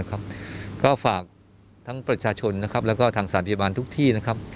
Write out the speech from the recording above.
ก็ฝากทั้งประชาชนและทางสถานพยาบาลทุกที่